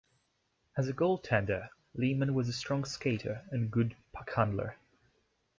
As a goaltender, Lehman was a strong skater and good puckhandler.